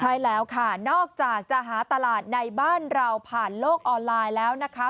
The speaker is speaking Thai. ใช่แล้วค่ะนอกจากจะหาตลาดในบ้านเราผ่านโลกออนไลน์แล้วนะคะ